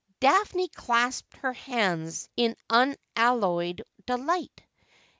Daphne clasped her hands in unalloyed delight.